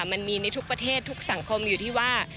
มันมีในทุกประเทศทุกสังคมอยู่ที่ว่า